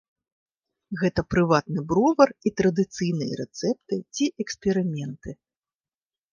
Гэта прыватны бровар і традыцыйныя рэцэпты ці эксперыменты.